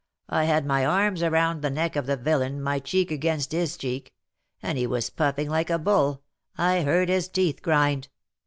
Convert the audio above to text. I had my arms round the neck of the villain, my cheek against his cheek; and he was puffing like a bull, I heard his teeth grind.